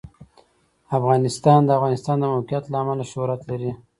افغانستان د د افغانستان د موقعیت له امله شهرت لري.